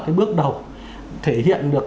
cái bước đầu thể hiện được